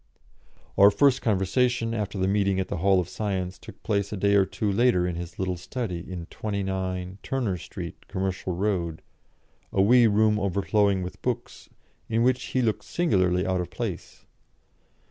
Our first conversation, after the meeting at the Hall of Science, took place a day or two later in his little study in 29, Turner Street, Commercial Road, a wee room overflowing with books, in which he looked singularly out of place.